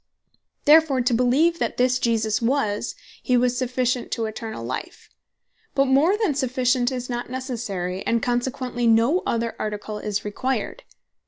Therefore to beleeve that this Jesus was He, was sufficient to eternall life: but more than sufficient is not Necessary; and consequently no other Article is required.